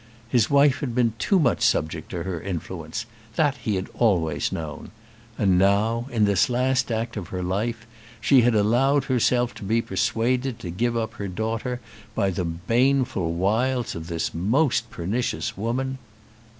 His wife had been too much subject to her influence. That he had always known. And now, in this last act of her life, she had allowed herself to be persuaded to give up her daughter by the baneful wiles of this most pernicious woman.